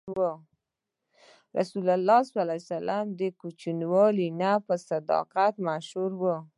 رسول الله ﷺ د کوچنیوالي نه په صداقت مشهور و.